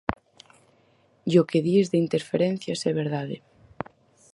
E o que dis de Interferencias é verdade.